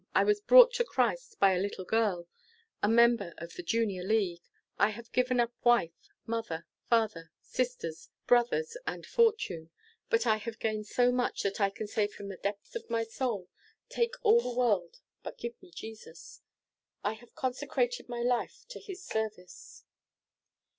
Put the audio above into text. I was brought to Christ by a little girl a member of the Junior League. I have given up wife, mother, father, sisters, brothers, and fortune, but I have gained so much that I can say from the depths of my soul, 'Take all the world, but give me Jesus.' I have consecrated my life to his service."